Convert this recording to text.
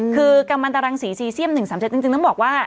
คือกำวันตารังสีสี่เซียมหนึ่งสามเจ็ดจริงจริงต้องบอกว่า